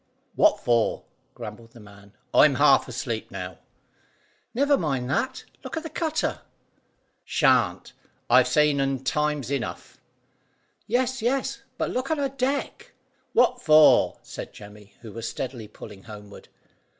"What for?" grumbled the man; "I'm half asleep, now." "Never mind that! Look at the cutter." "Shan't! I've seen un times enough." "Yes, yes; but look on her deck." "What for?" said Jemmy, who was steadily pulling homeward.